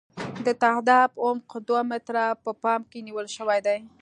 د تهداب عمق دوه متره په پام کې نیول شوی دی